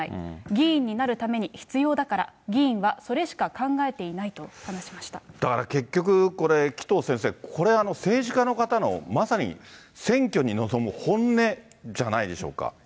議員になるために必要だから、議員はそれしか考えていないと話しだから結局、これ、紀藤先生、これ、政治家の方の、まさに選挙に臨む本音じゃないでしょうか。